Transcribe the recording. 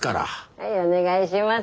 ☎はいお願いします。